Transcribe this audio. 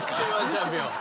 Ｋ−１チャンピオン。